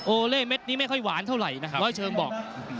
เล่เม็ดนี้ไม่ค่อยหวานเท่าไหร่นะครับร้อยเชิงบอก